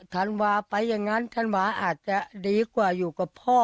ธันวาไปอย่างนั้นธันวาอาจจะดีกว่าอยู่กับพ่อ